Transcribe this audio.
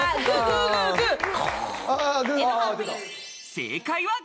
正解は。